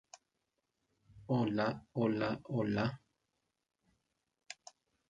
En Pamplona la participación en el equipo de Llorente fue de más a menos.